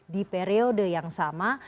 di periode yang sama